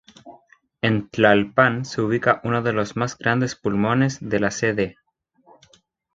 En Tlalpan se ubica uno de los más grandes pulmones de la Cd.